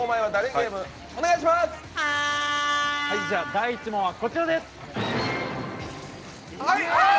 第１問はこちらです。